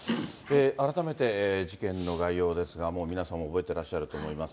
改めて事件の概要ですが、もう皆さん覚えてらっしゃると思います。